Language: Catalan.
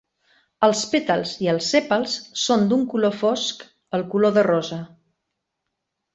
Els pètals i els sèpals són d"un color fosc, el color de rosa.